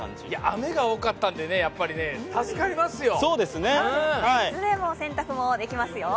雨が多かったのでやっぱり助かりますよ。